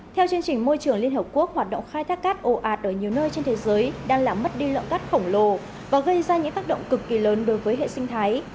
theo chương trình môi trường liên hợp quốc hoạt động khai thác cát ồ ạt ở nhiều nơi trên thế giới đang làm mất đi lượng cát khổng lồ và gây ra những tác động cực kỳ lớn đối với hệ sinh thái